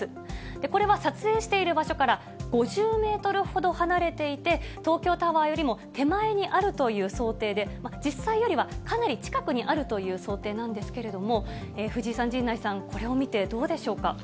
これは撮影している場所から５０メートルほど離れていて、東京タワーよりも手前にあるという想定で、実際よりはかなり近くにあるという想定なんですけれども、藤井さん、陣内さん、これを見てどうでしょうか。